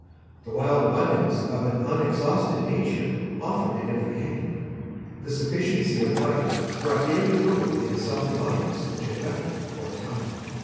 The wild abundance of an unexhausted Nature offered at every hand. The sufficiency of life brought daily growth in the self reliance which had left them for a time.